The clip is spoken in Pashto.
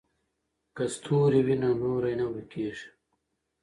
که ستوری وي نو لوری نه ورکیږي.